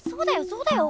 そうだよ！